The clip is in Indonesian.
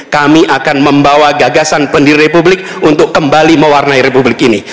kami akan membawa gagasan pendiri republik untuk kembali mewarnai republik ini